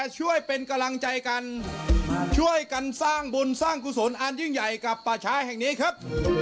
ช่วยเป็นกำลังใจกันช่วยกันสร้างบุญสร้างกุศลอันยิ่งใหญ่กับป่าชายแห่งนี้ครับ